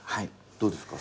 どうですか？